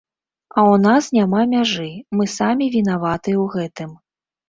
А ў нас няма мяжы, мы самі вінаватыя ў гэтым.